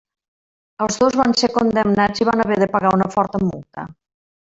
Els dos van ser condemnats i van haver de pagar una forta multa.